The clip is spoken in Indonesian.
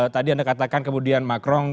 tadi anda katakan kemudian macron